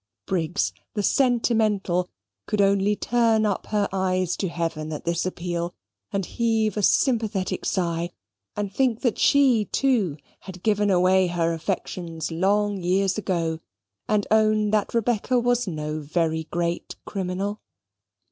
Briggs, the sentimental, could only turn up her eyes to heaven at this appeal, and heave a sympathetic sigh, and think that she, too, had given away her affections long years ago, and own that Rebecca was no very great criminal.